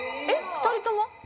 ２人とも？